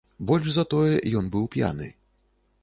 Больш за тое, ён быў п'яны.